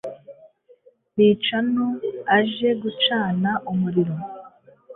Bicano aje gucana umuriro